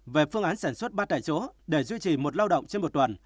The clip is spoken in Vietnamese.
về phương án sản xuất ba tại chỗ để duy trì một lao động trên một tuần